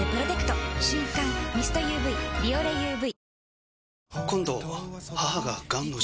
瞬感ミストＵＶ「ビオレＵＶ」